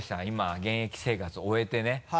今現役生活を終えてね。